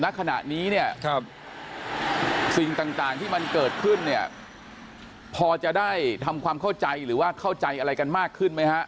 ณขณะนี้เนี่ยสิ่งต่างที่มันเกิดขึ้นเนี่ยพอจะได้ทำความเข้าใจหรือว่าเข้าใจอะไรกันมากขึ้นไหมฮะ